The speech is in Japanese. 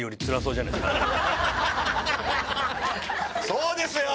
そうですよ！